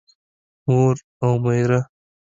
مور او مېره